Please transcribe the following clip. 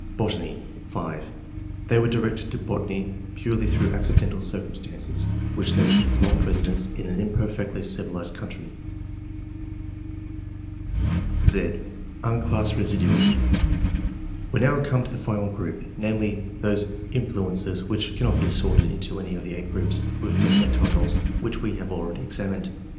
Botany. — (5) They were directed to botany purely through accidental circumstances [which led to a prolonged residence in an imperfectly "^Tiliied countrvT 111.] ORIGIN OF TASTE FOR SCIENCE. 221 § Z. UXCLASSED RESIDUUM. We now come to the final group, namely, those influences which cannot be sorted into any of the 8 groups with definite titles, which we have already examined.